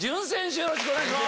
よろしくお願いします。